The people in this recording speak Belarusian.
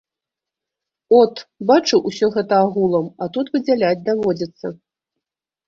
От, бачыў усё гэта агулам, а тут выдзяляць даводзіцца.